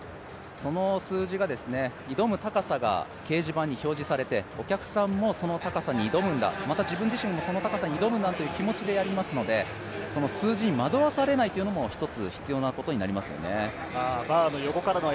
その数字が挑む高さが掲示板に表示されてお客さんもその高さに挑むんだ、また自分自身もその高さに挑むんだという気持ちでやりますので数字に惑わされないというのも必要になりますよね。